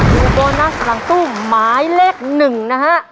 โบนัสหลังตู้หมายเลข๑นะฮะ